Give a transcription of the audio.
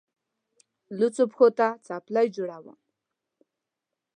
لوڅو پښو ته څپلۍ جوړوم.